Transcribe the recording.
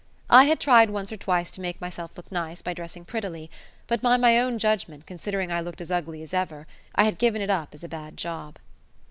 I had tried once or twice to make myself look nice by dressing prettily, but, by my own judgment, considering I looked as ugly as ever, I had given it up as a bad job.